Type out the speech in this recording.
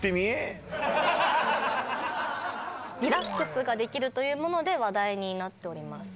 リラックスができるというもので話題になっております。